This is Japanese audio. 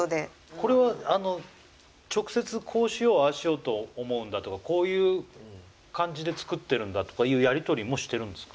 これは直接こうしようああしようと思うんだとかこういう感じで作ってるんだとかいうやり取りもしてるんですか？